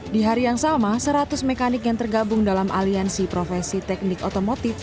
di hari yang sama seratus mekanik yang tergabung dalam aliansi profesi teknik otomotif